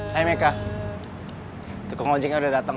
hai meika tukang onjingnya udah datang